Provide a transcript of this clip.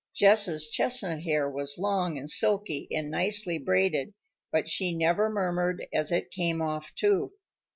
Jess' chestnut hair was long and silky and nicely braided, but she never murmured as it came off too.